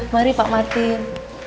mari pak martin